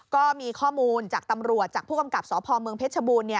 ก็มีข้อมูลจากตำรวจจากผู้กำกับสพเมืองเพชรบูรณ์